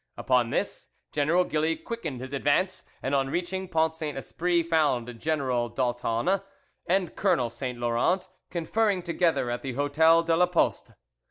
Upon this, General Gilly quickened his advance, and on reaching Pont Saint Esprit found General d'Aultanne and Colonel Saint Laurent conferring together at the Hotel de la Poste.